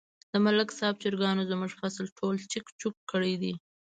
د ملک صاحب چرگانو زموږ فصل ټول چک چوک کړی دی.